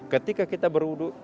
ketika kita berwuduk